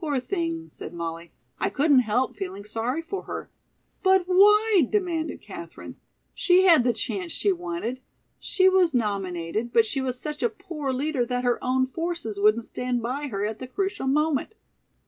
"Poor thing," said Molly, "I couldn't help feeling sorry for her." "But why?" demanded Katherine. "She had the chance she wanted. She was nominated, but she was such a poor leader that her own forces wouldn't stand by her at the crucial moment.